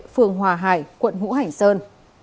phường hòa hải quận ngũ hành sơn